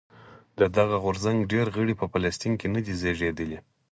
د دغه غورځنګ ډېری غړي په فلسطین کې نه دي زېږېدلي.